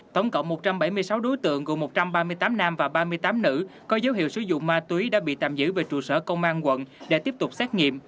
tổng cộng một trăm bảy mươi sáu đối tượng gồm một trăm ba mươi tám nam và ba mươi tám nữ có dấu hiệu sử dụng ma túy đã bị tạm giữ về trụ sở công an quận để tiếp tục xét nghiệm